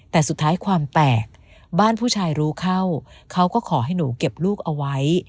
แต่สุดท้ายความแตกบ้านผู้ชายรู้เข้าเขาก็ขอให้หนูเก็บลูกเอาไว้